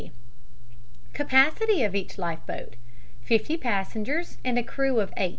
Capacity of each life boat, 50 passengers and crew of 8.